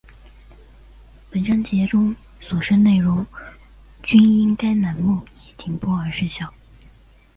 本章节中所示内容均因该栏目已停播而失效